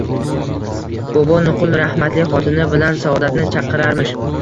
Bovo nuqul rahmatli xotini bilan Saodatni chaqirarmish